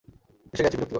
এসে গেছে, বিরক্তিকর!